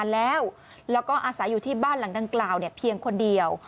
แล้วก็อาศัยอยู่ที่บ้านหลังดังกล่าวเพียงคนเดียว